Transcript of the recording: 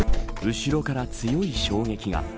後ろから強い衝撃が。